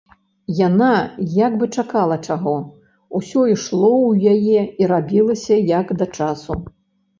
Яна як бы чакала чаго, усё ішло ў яе і рабілася як да часу.